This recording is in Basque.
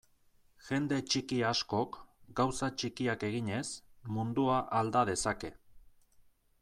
Jende txiki askok, gauza txikiak eginez, mundua alda dezake.